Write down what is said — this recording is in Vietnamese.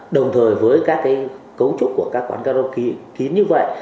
đồng thời với các cấu trúc của các quán karaoke kín như vậy